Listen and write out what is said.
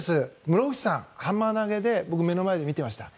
室伏さん、ハンマー投で僕、目の前で見ていました。